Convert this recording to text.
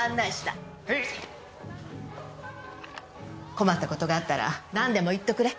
困った事があったらなんでも言っとくれ。